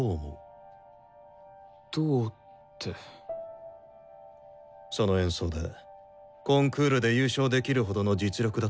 その演奏でコンクールで優勝できるほどの実力だったか？